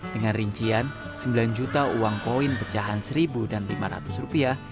dengan rincian sembilan juta uang koin pecahan seribu dan lima ratus rupiah